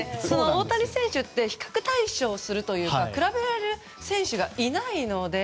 大谷選手って比較対象にするというか比べられる選手がいないので。